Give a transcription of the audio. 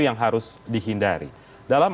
yang harus dihindari dalam